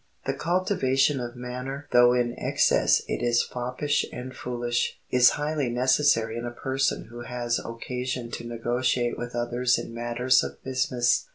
The cultivation of manner, though in excess it is foppish and foolish, is highly necessary in a person who has occasion to negotiate with others in matters of business.